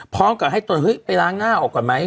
พร้อมกับให้ตนเฮ้ยไปล้างหน้าออกก่อนไหม